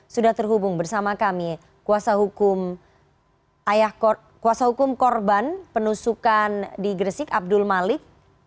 sudah terhubung bersama kami kuasa hukum korban penusukan di gresik abdul malik